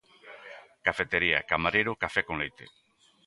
Cafetería, camareiro, café con leite.